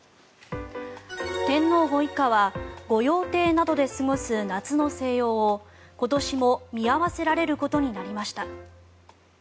天皇ご一家は御用邸などで過ごす夏の静養を今年も見合わせられることになりました。